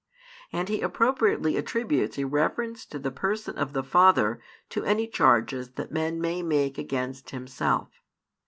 And He appropriately attributes a reference to the Person of the Father to any charges that men may make against Himself.